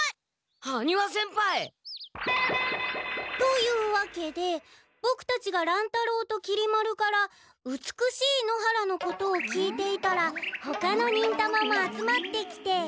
羽丹羽先輩！というわけでボクたちが乱太郎ときり丸から美しい野原のことを聞いていたらほかの忍たまも集まってきて。